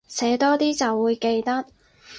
寫多啲就會記得